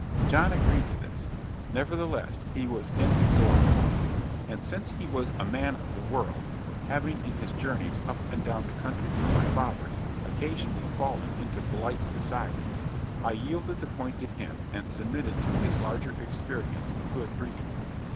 John agreed to this; nevertheless, he was inexorable. And, since he was "a man of the world" having, in his journeys up and down the country for my father, occasionally fallen into "polite" society I yielded the point to him and submitted to his larger experience of good breeding.